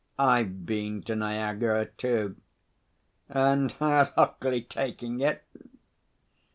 'I've been to Niagara, too. And how's Huckley taking it?'